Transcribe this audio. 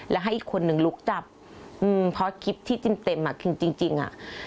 แล้วให้อีกคนนึงลุกจับเพราะคลิปที่จิ้มเต็มอ่ะคือจริงอ่ะ